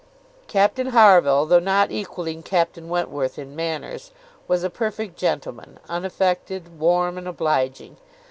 Captain Harville, though not equalling Captain Wentworth in manners, was a perfect gentleman, unaffected, warm, and obliging.